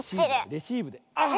レシーブであっ！